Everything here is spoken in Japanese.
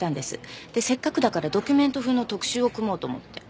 せっかくだからドキュメント風の特集を組もうと思って。